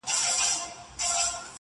ښه دی ښه دی قاسم یار چي دېوانه دی,